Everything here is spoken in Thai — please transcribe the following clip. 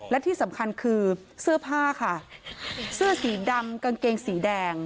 และที่สำคัญคือเสื้อผ้าค่ะเสื้อสีดำกางเกงสีแดง